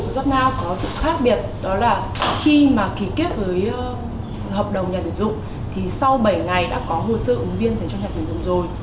jobnow có sự khác biệt đó là khi mà ký kết với hợp đồng nhà tuyển dụng thì sau bảy ngày đã có hồ sơ ứng viên dành cho nhà tuyển dụng rồi